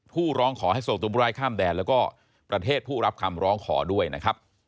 ร้องขอให้ส่งตัวผู้ร้ายข้ามแดนแล้วก็ประเทศผู้รับคำร้องขอด้วยนะครับ